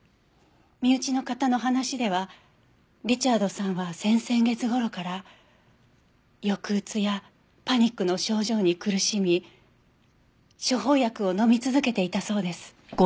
身内の方の話ではリチャードさんは先々月頃から抑うつやパニックの症状に苦しみ処方薬を飲み続けていたそうです。